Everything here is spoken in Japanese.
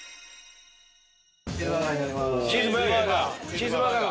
チーズバーガー！